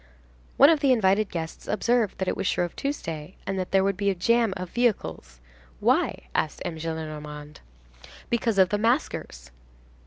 One of the invited guests observed that it was Shrove Tuesday, and that there would be a jam of vehicles.—"Why?" asked M. Gillenormand—"Because of the maskers."